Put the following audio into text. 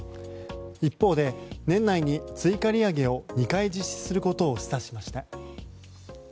一方で、年内に追加利上げを２回実施することを示唆しました。